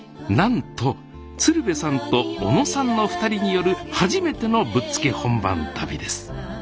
なんと鶴瓶さんと小野さんの２人による初めてのぶっつけ本番旅です